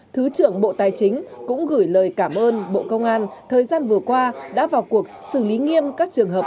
thứ trưởng bộ tài chính cũng gửi lời cảm ơn bộ công an thời gian vừa qua đã vào cuộc xử lý nghiêm các trường hợp